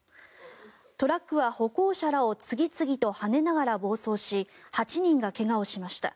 トラックは、歩行者らを次々とはねながら暴走し８人が怪我をしました。